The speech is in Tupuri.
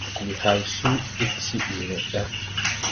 Ndi hay suu ig se bi meʼda.